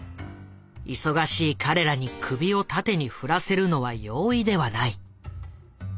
忙しい彼らに首を縦に振らせるのは容易ではない。